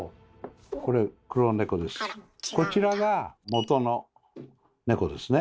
こちらが元の猫ですね。